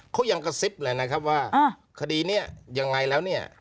เขายังกระซิบเลยนะครับว่าคดีนี้ยังไงแล้วเนี่ย